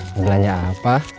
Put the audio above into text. yang tanya apa